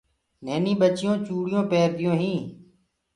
ننيني ٻچونٚ چوُڙيونٚ پيرديونٚ هينٚ۔